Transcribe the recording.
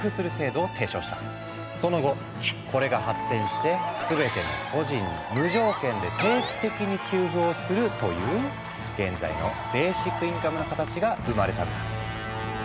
その後これが発展して「すべての個人に」「無条件で」「定期的に給付」をするという現在のベーシックインカムの形が生まれたんだ。